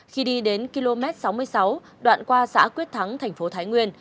khi đi đến km sáu mươi sáu đoạn qua xã quyết thắng thành phố thái nguyên